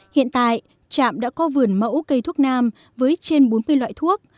hiện tại trạm đã có vườn mẫu cây thuốc nam với trên bốn mươi loại thuốc